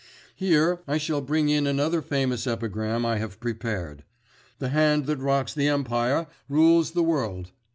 Here I shall bring in another famous epigram I have prepared. 'The Hand that rocks the Empire rules the World.